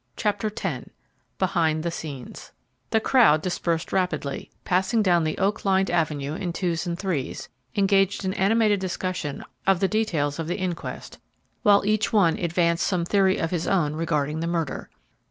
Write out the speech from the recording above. CHAPTER X BEHIND THE SCENES The crowd dispersed rapidly, passing down the oak lined avenue in twos and threes, engaged in animated discussion of the details of the inquest, while each one advanced some theory of his own regarding the murder.